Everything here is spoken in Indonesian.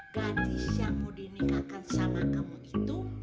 gadis yang mau dinikahkan sama kamu itu